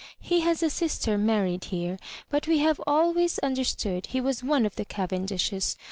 He has a sister married here ; but we have always understood he was one of the Cavendishes.